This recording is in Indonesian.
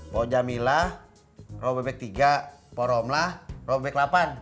pak jamilah rawabebek tiga pak romlah rawabebek delapan